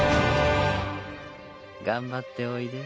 頑張っておいで。